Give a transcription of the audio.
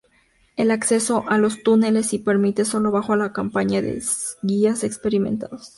El acceso a los túneles se permite solo bajo la compañía de guías experimentados.